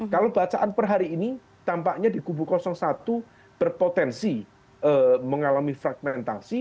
kalau bacaan per hari ini tampaknya di kubu satu berpotensi mengalami fragmentasi